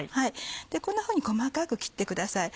こんなふうに細かく切ってください。